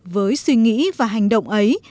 với suy nghĩ và hành động ấy